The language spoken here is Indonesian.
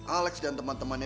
alex dan teman temannya